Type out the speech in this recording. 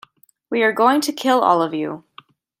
We are going to kill all of you.